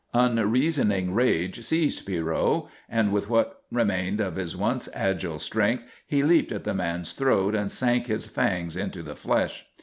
Unreasoning rage seized Pierrot, and with what remained of his once agile strength he leaped at the man's throat and sank his fangs into the flesh.